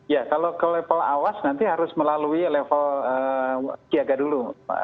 ya kalau ke level awas nanti harus melalui level siaga dulu